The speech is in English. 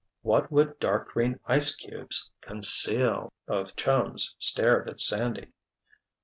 "What would dark green ice cubes conceal?" Both chums stared at Sandy.